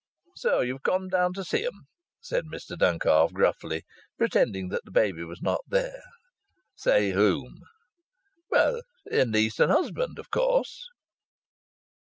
"So you've come down to see 'em," said Mr Duncalf, gruffly, pretending that the baby was not there. "See whom?" "Well, your niece and her husband, of course."